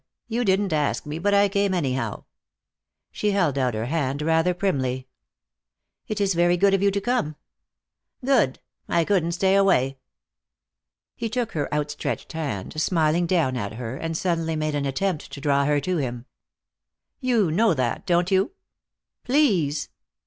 "You didn't ask me, but I came anyhow." She held out her hand rather primly. "It is very good of you to come." "Good! I couldn't stay away." He took her outstretched hand, smiling down at her, and suddenly made an attempt to draw her to him. "You know that, don't you?" "Please!"